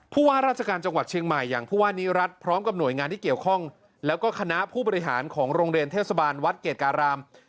ว่าราชการจังหวัดเชียงใหม่อย่างผู้ว่านิรัติพร้อมกับหน่วยงานที่เกี่ยวข้องแล้วก็คณะผู้บริหารของโรงเรียนเทศบาลวัดเกรดการาม